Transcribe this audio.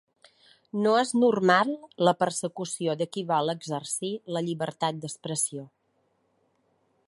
No és normal la persecució de qui vol exercir la llibertat d’expressió.